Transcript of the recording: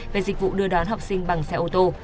về dịch vụ đưa đón học sinh bằng xe ô tô